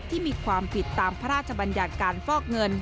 ที่มีความผิดตามพระราชบัญญัติการฟอกเงิน